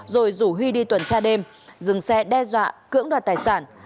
rồi rủ huy đi tuần tra đêm dừng xe đe dọa cưỡng đoạt tài sản